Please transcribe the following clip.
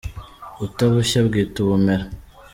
utabushya abwita ubumera.